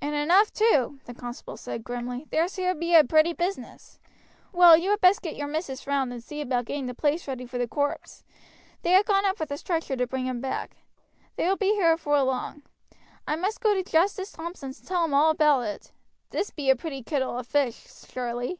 "And enough too," the constable said grimly. "This here be a pretty business. Well, you had best get your missis round and see about getting the place ready for the corpse. They have gone up with a stretcher to bring him back. They will be here afore long. I must go to Justice Thompson's and tell him all about it. This be a pretty kittle of fish, surely.